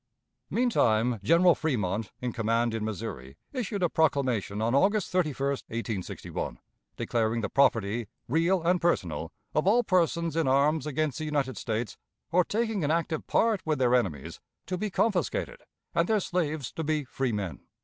Meantime, General Fremont, in command in Missouri, issued a proclamation on August 31, 1861, declaring the property, real and personal, of all persons in arms against the United States, or taking an active part with their enemies, to be confiscated, and their slaves to be free men.